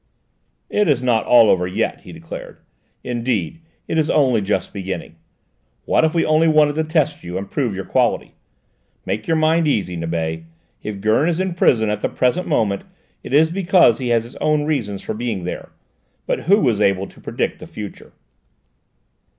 "It's not all over yet," he declared. "Indeed, it is only just beginning. What if we only wanted to test you, and prove your quality? Make your mind easy, Nibet. If Gurn is in prison at the present moment it is because he has his own reasons for being there. But who is able to predict the future?"